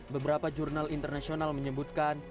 beberapa jurnal internasional menyebutkan